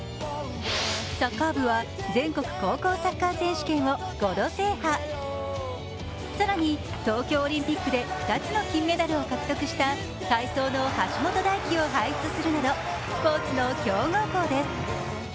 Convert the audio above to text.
サッカー部は、全国高校サッカー選手権を５度制覇更に、東京オリンピックで２つの金メダルを獲得した体操の橋本大輝を排出するなどスポーツの強豪校です。